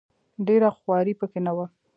ډېره خواري په کې نه وه.